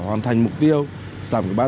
hoàn thành mục tiêu giảm